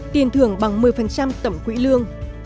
tiền thưởng bằng một mươi tổng quỹ lương